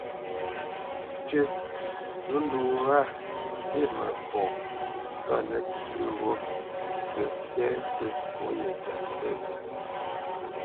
"Tʉ́ ; nǒ ndu wá mbi mə fɔ sɔ́t nə́tsí ghó tə́ fɛ́ tí nǒ yelê nzə."